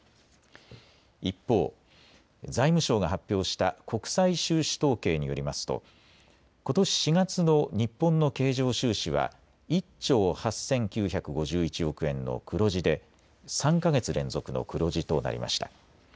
一方、財務省が発表した国際収支統計によりますとことし４月の日本の経常収支は１兆８９５１億円の黒字で３か月連続の黒字となりました。